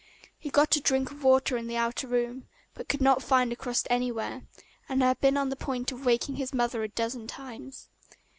He had got a drink of water in the outer room, but could not find a crust anywhere, and had been on the point of waking his mother a dozen times.